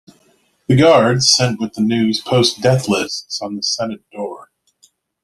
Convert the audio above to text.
The guards sent with the news post death lists on the senate door.